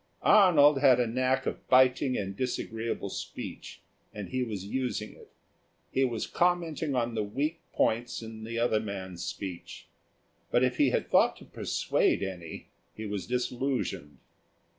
Arnold had a knack of biting and disagreeable speech, and he was using it. He was commenting on the weak points in the other man's speech. But if he had thought to persuade any, he was disillusioned.